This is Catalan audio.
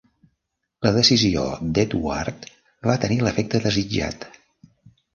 La decisió d'Edward va tenir l'efecte desitjat.